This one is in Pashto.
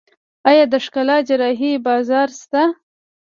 آیا د ښکلا جراحي بازار شته؟